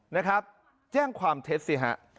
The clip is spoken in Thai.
นะครับแจ้งความเท็จสิฮะ